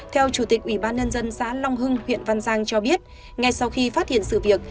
theo chủ tịch ủy ban nhân dân xã long hưng huyện văn giang cho biết ngay sau khi phát hiện sự việc